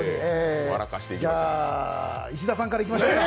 じゃあ、石田さんからいきましょうか。